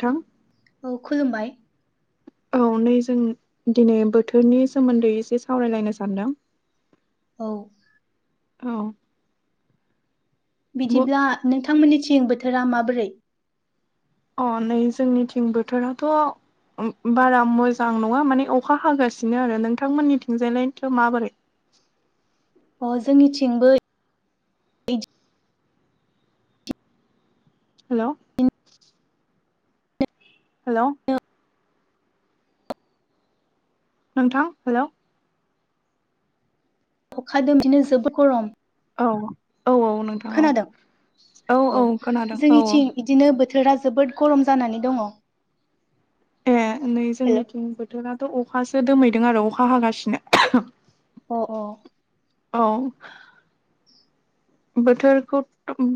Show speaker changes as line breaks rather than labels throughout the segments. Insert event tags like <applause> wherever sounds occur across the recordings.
थां
औ खुलुमबाय।
औ नै जों दिनै बोथोरनि सोमोन्दै इसे सावरायलायनो सानदों।
औ
औ ब
बिदिब्ला नोंथांमोननि थिं बोथोरा माबोरै?
अ नै जोंनि थिं बोथोराथ' बारा मोजां नङा माने अखा हागासिनो आरो नोंथांमोननि थिंजायलायनिथ' माबोरै?
अ जोंनिथिंबो बिदिनो
हेल'औ हेल'औ
औ
नोंथां हेल'औ
अखा <unintelligible> जोबोद गरम।
औ औ औ नोंथां औ
खोनादों
औ औ खोनादों औ औ।
इदिनो बोथोरा जोबोद गरम जानानै दङ।
ए नै
हेल'
जोंनिथिं बोथोराथ' अखासो दोमैदों आरो अखा हागासिनो।
अ अ
औ बोथोरखौ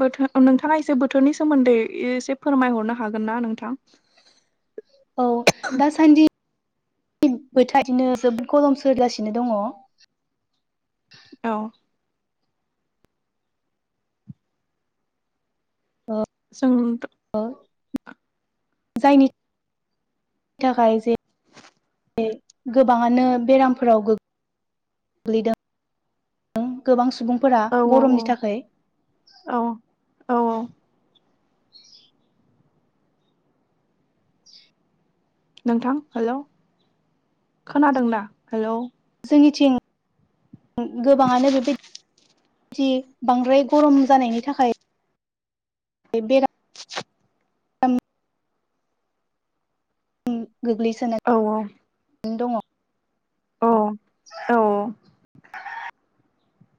बोथोर नोंथाङा एसे बोथोरनि सोमोन्दै एसे फोरमायहरनो हागोन ना नोंथां?
औ दासान्दि बोथोरा बिदिनो जोबोद गरम सोलिगासिनो दङ।
औ
ओ
जों
ओ जायनि थाखाय जे गोबाङानो बेरामफोराव गो-गोग्लैदों। गोबां सुबुंफोरा
औ औ
गरमनि थाखै
औ औ औ नोंथां हेलौ खोनादोंना हेलौ?
जोंनिथिं गोबाङानो बेबाय <unintelligible> बांद्राय गरम जानायनि थाखाय बेरा गोग्लैसोनाय
औ औ।
दङ।
अ औ औ।